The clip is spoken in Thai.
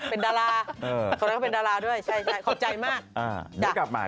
เป็นดาราตอนนั้นเขาเป็นดาราด้วยขอบใจมาก